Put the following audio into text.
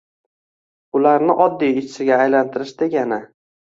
ularni oddiy ishchiga aylantirish degani